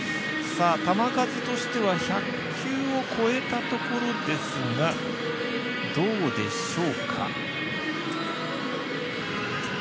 球数としては１００球を超えたところですがどうでしょうか。